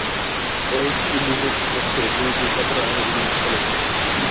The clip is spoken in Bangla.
ওয়েস্ট ইন্ডিজের বিপক্ষে দুইটি শতরানের ইনিংস খেলেছেন।